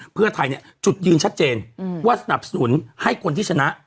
เพื่อไทยเนี่ยจุดยืนชัดเจนว่าสนับสนุนให้คนที่ชนะ